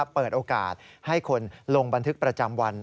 เปิดโอกาสให้คนลงบันทึกประจำวัน